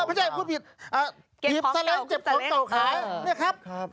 เก็บสาเล็งเก็บของเก่าขาย